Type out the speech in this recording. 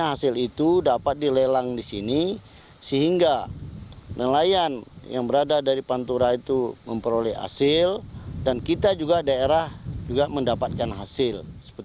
hasil itu dapat dilelang di sini sehingga nelayan yang berada dari pantura itu memperoleh hasil dan kita juga daerah juga mendapatkan hasil